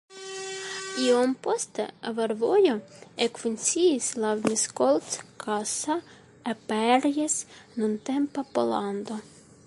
Iom poste fervojo ekfunkciis laŭ Miskolc-Kassa-Eperjes-nuntempa Pollando.